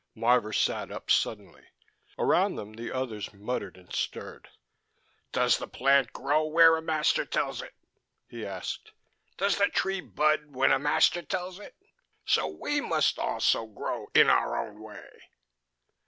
Marvor sat up suddenly. Around them the others muttered and stirred. "Does the plant grow when a master tells it?" he asked. "Does the tree bud when a master tells it? So we must also grow in our own way."